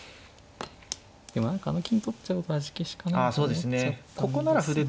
でも何かあの金取っちゃうと味消しかなと思っちゃったんですけど。